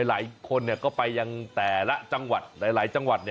หลายคนเนี่ยก็ไปยังแต่ละจังหวัด